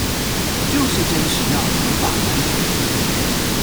就是堅持要合法安全